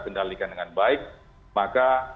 kendalikan dengan baik maka